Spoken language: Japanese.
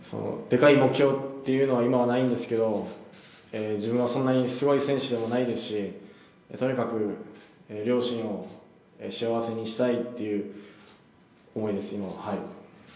でかい目標というのは今はないんですけど、自分はそんなにすごい選手でもないですしとにかく両親を幸せにしたいという思いです、今は。